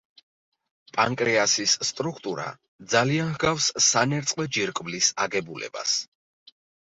პანკრეასის სტრუქტურა ძალიან ჰგავს სანერწყვე ჯირკვლის აგებულებას.